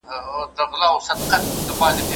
موږ په پښتو ژبي خپل کلتور لولو.